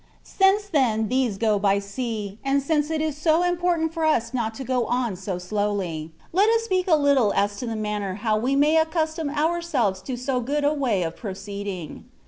Since then these go by sea, and since it is so important for us not to go on so slowly, let us speak a Uttle as to the manner how we may accustom ourselves to so good a way of proceeding.